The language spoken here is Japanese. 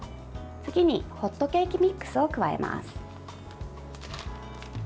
次にホットケーキミックスを加えます。